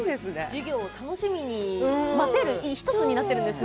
授業を楽しみに待ってる１つになってるんですね。